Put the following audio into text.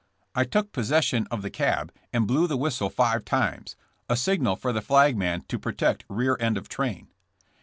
*'I took possession of the cab and blew the whis tle five times, a signal for the flagman to protect rear end of train.